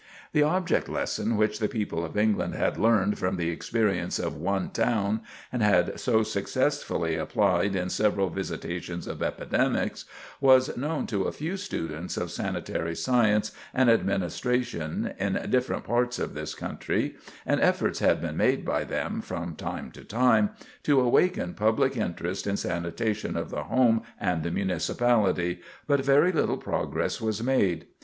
The object lesson which the people of England had learned from the experience of one town, and had so successfully applied in several visitations of epidemics, was known to a few students of sanitary science and administration in different parts of this country and efforts had been made by them, from time to time, to awaken public interest in sanitation of the home and the municipality, but very little progress was made.